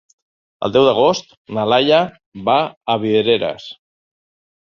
El deu d'agost na Laia va a Vidreres.